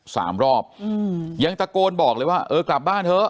สามรอบอืมยังตะโกนบอกเลยว่าเออกลับบ้านเถอะ